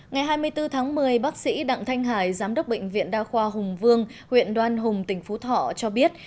ngày hai mươi bốn tháng một mươi bác sĩ đặng thanh hải giám đốc bệnh viện đa khoa hùng vương huyện đoan hùng tỉnh phú thọ cho biết